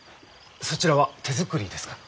そちらは手作りですか？